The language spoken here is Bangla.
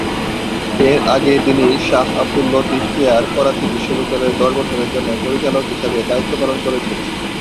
এর আগে তিনি শাহ আবদুল লতিফ চেয়ার, করাচি বিশ্ববিদ্যালয়ের দশ বছরের জন্য পরিচালক হিসাবে দায়িত্ব পালন করেছিলেন।